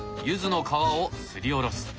ユズの皮をすりおろす。